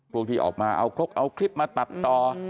พวกที่ออกมาเอาคลิปมาตัดต่อ